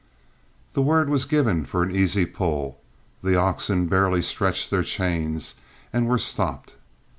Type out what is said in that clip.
The word was given for an easy pull, the oxen barely stretched their chains, and were stopped.